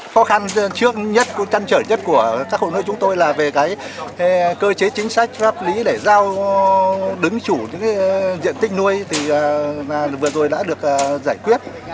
khó khăn trước nhất trăn trở nhất của các hội nuôi chúng tôi là về cơ chế chính sách pháp lý để giao đứng chủ những diện tích nuôi vừa rồi đã được giải quyết